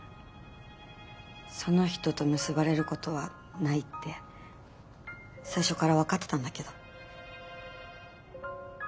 その人と結ばれることはないって最初から分かってたんだけど。